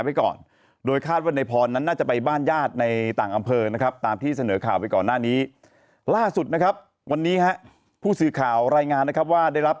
เป็นคนรวยนี่แหละอุ้มหมาไปนั่งด้วยกับเลยจริงน่ะนุ่ม